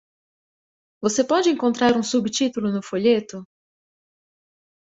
Você pode encontrar um subtítulo no folheto?